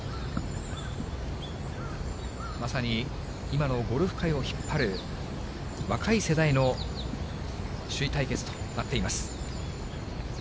まさに今のゴルフ界を引っ張る、若い世代の首位対決となっています。